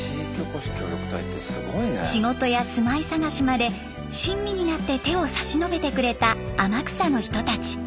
仕事や住まい探しまで親身になって手を差し伸べてくれた天草の人たち。